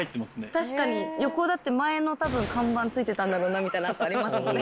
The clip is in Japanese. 確かに横だって前の多分看板付いてたんだろうなみたいな跡ありますもんね。